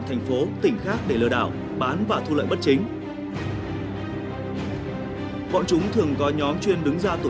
thành phố tỉnh khác để lừa đảo bán và thu lợi bất chính bọn chúng thường có nhóm chuyên đứng ra tổ